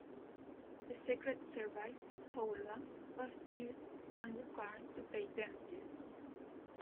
The Secret Service, however, was sued and required to pay damages.